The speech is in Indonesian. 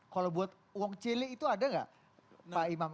kalau buat uang cili itu ada enggak pak imam